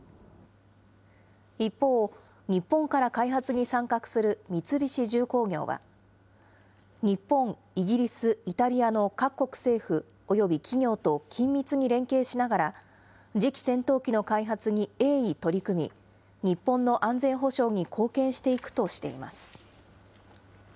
一方、日本から開発に参画する三菱重工業は、日本、イギリス、イタリアの各国政府および企業と緊密に連携しながら、次期戦闘機の開発に鋭意取り組み、日本の安全保障に貢献していくとしています。